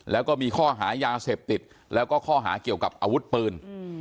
แล้วก็มีข้อหายาเสพติดแล้วก็ข้อหาเกี่ยวกับอาวุธปืน